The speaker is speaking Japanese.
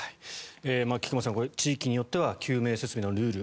菊間さん、地域によっては救命設備のルール